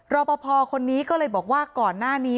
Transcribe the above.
รอปภคนนี้ก็เลยบอกว่าก่อนหน้านี้